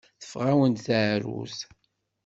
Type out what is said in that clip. Teffeɣ-awen-d teεrurt.